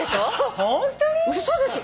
嘘でしょ！？